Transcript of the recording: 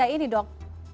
seperti ini dok